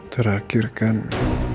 siapa yang pesiliun kamu